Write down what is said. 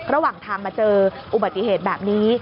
ระหว่างทางมาเจออุบัติเหตุแบบนี้